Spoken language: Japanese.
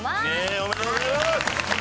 おめでとうございます！